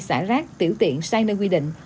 xả rác tiểu tiện sai nơi quy định